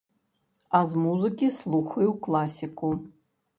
А з музыкі слухаю класіку.